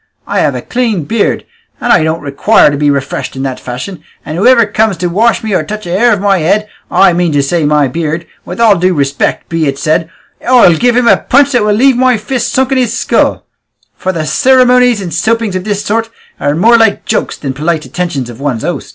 I have a clean beard, and I don't require to be refreshed in that fashion, and whoever comes to wash me or touch a hair of my head, I mean to say my beard, with all due respect be it said, I'll give him a punch that will leave my fist sunk in his skull; for cirimonies and soapings of this sort are more like jokes than the polite attentions of one's host."